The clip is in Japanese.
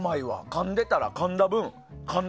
かんでたら、かんだ分。